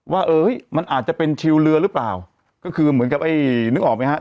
ว่ามันอาจจะเป็นชิวเรือหรือเปล่าก็คือเหมือนกับนึกออกมั้ยฮะ